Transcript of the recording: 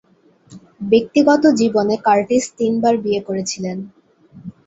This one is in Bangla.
ব্যক্তিগত জীবনে কার্টিস তিন বার বিয়ে করেছিলেন।